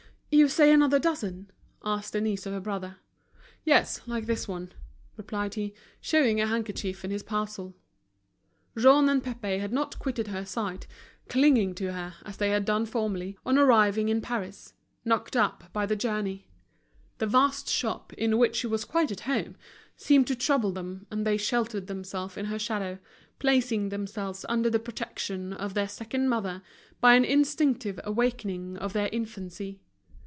"You say another dozen?" asked Denise of her brother. "Yes, like this one," replied he, showing a handkerchief in his parcel. Jean and Pépé had not quitted her side, clinging to her, as they had done formerly, on arriving in Paris, knocked up by the journey. This vast shop, in which she was quite at home, seemed to trouble them, and they sheltered themselves in her shadow, placing themselves under the protection of their second mother by an instinctive awakening of their infancy.